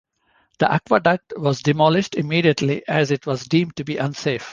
The aqueduct was demolished immediately, as it was deemed to be unsafe.